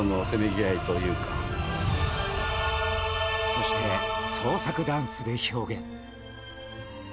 そして、創作ダンスで表現。